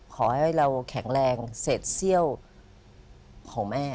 ขอให้เราแข็งแรงเศษเซี่ยวของแม่